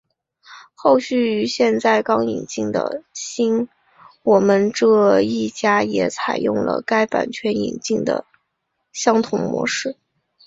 后续于现在刚引进的新我们这一家也采用了该版权引进的相同模式。